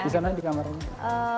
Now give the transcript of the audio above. disana di kamarnya